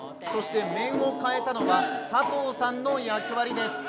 面を替えたのは佐藤さんの役割です。